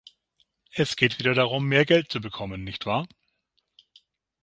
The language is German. Es geht wieder darum, mehr Geld zu bekommen, nicht wahr?